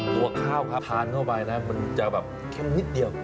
ตัวข้าวครับทานเข้าไปนะมันจะแบบเข้มนิดเดียว